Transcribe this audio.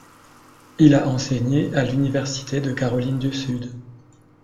Il a enseigné à l'université de Californie du Sud.